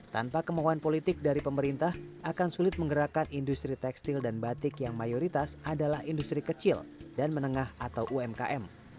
tanpa kemauan politik dari pemerintah akan sulit menggerakkan industri tekstil dan batik yang mayoritas adalah industri kecil dan menengah atau umkm